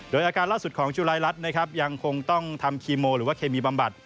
โดยอาการล่าสุดของจุรายรัฐนะครับยังคงต้องทำคีโมหรือว่าเคมีบำบัด